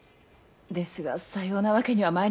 ですがさようなわけにはまいりませぬ。